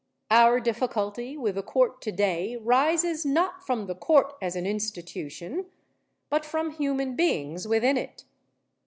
Our difficulty with the Court today rises not from the Court as an institution but from human beings within it.